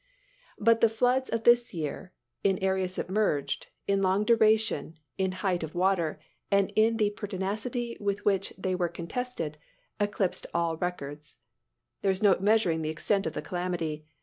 But the floods of this year, in area submerged, in long duration, in height of water, and in the pertinacity with which they were contested, eclipsed all records. There is no measuring the extent of the calamity.